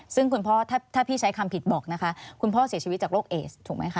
ซึ่งคุณพ่อถ้าพี่ใช้คำผิดบอกนะคะคุณพ่อเสียชีวิตจากโรคเอสถูกไหมคะ